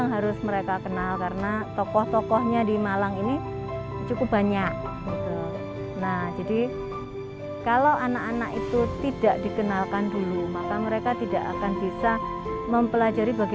baru bergampingan dengan pandemi